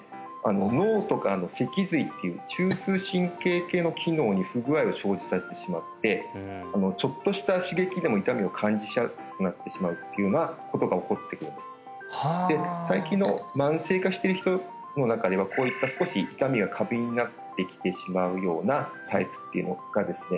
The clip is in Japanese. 脳とか脊髄っていう中枢神経系の機能に不具合を生じさせてしまってちょっとした刺激でも痛みを感じやすくなってしまうというようなことが起こってくるんですで最近の慢性化してる人の中にはこういった少し痛みが過敏になってきてしまうようなタイプっていうのがですね